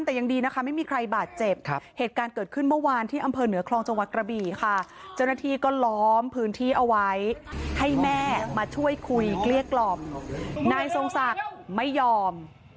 พี่คุยเกลียดกล่อมนายทรงศักดิ์ไม่ยอม